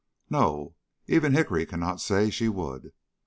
No, even Hickory cannot say she would.